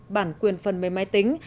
bản quyền phần mềm máy tính